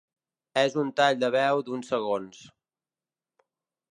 És un tall de veu d'uns segons.